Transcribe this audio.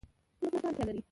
تاسو څه اړتیا لرئ؟